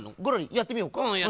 やってみよう。